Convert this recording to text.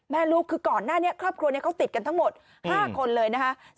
แม่ลูกคือก่อนหน้านี้ครอบครัวนี้เขาติดกันทั้งหมด๕คนเลยนะคะ